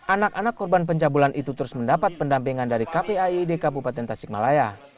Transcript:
anak anak korban pencabulan itu terus mendapat pendampingan dari kpaid kabupaten tasikmalaya